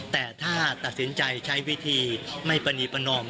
แต่ถ้าตัดสินใจใช้วิธีไม่ปรณีประนอม